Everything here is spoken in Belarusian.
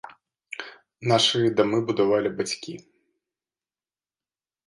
Нашы дамы будавалі бацькі.